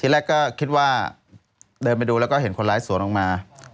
แรกก็คิดว่าเดินไปดูแล้วก็เห็นคนร้ายสวนออกมา